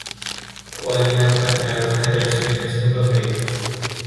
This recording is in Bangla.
ওয়ালি আফগান গায়ক হায়দার সেলিমের চাচাতো ভাই।